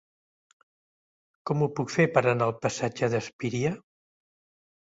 Com ho puc fer per anar al passatge d'Espíria?